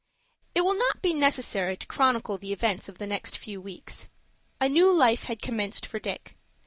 It will not be necessary to chronicle the events of the next few weeks. A new life had commenced for Dick.